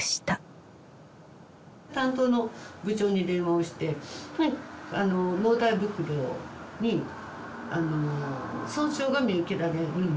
担当の部長に電話をして納体袋に損傷が見受けられるんですが。